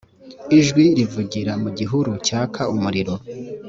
ijwi rivugira mu gihuru cyaka umuriro